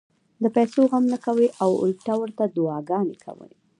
د پېسو غم نۀ کوي او الټا ورته دعاګانې هم کوي -